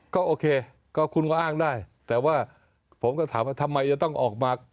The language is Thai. ก็โอเคก็คุณก็อ้างได้แต่ว่าผมก็ถามว่าทำไมจะต้องออกมา